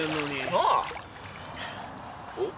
なあ。おっ？